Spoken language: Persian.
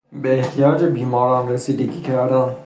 به احتیاجات بیماران رسیدگی کردن